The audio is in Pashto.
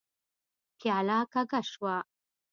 پياله کږه شوه.